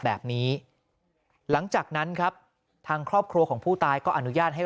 แบบนี้หลังจากนั้นครับทางครอบครัวของผู้ตายก็อนุญาตให้